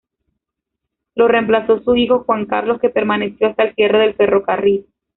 Lo reemplazó su hijo Juan Carlos, que permaneció hasta el cierre del ferrocarril.